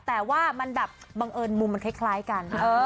แต่ว่ามันแบบบังเอิญมุมมันคล้ายกัน